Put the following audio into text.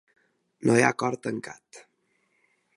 No hi ha acord tancat.